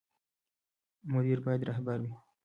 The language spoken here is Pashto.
مدیر باید رهبر وي